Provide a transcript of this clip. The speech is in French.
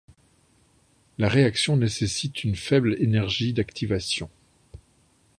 La réaction nécessite une faible énergie d'activation.